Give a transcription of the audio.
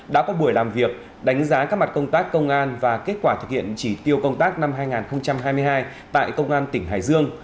đã có buổi làm việc đánh giá các mặt công tác công an và kết quả thực hiện chỉ tiêu công tác năm hai nghìn hai mươi hai tại công an tỉnh hải dương